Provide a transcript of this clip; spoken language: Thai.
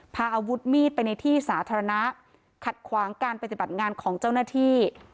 พาอาวุธมีดไปในที่สาธารณะขัดขวางการปฏิบัติงานของเจ้าหน้าที่